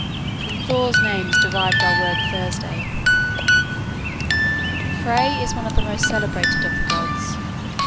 From Thor's name is derived our word Thursday. Frey is one of the most celebrated of the gods.